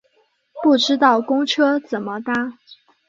不知道公车怎么搭